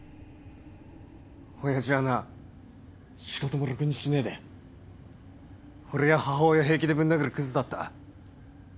親父はな仕事もろくにしねえで俺や母親平気でぶん殴るクズだった。